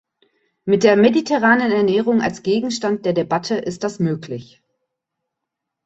Mit der mediterranen Ernährung als Gegenstand der Debatte ist das möglich.